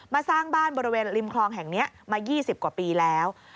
สร้างบ้านบริเวณริมคลองแห่งนี้มา๒๐กว่าปีแล้ว